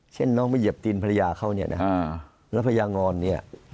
เช่นน้องไปเหยียบตีนภรรยาเขาเนี่ยนะแล้วพญางอนเนี่ย